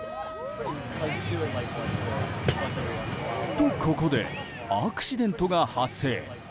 と、ここでアクシデントが発生。